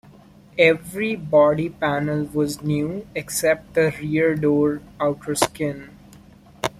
Every body panel was new except the rear door outer skin.